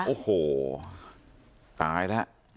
โอ้โหตายแล้ว